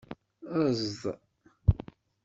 Ezḍ.